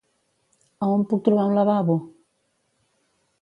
A on puc trobar un lavabo?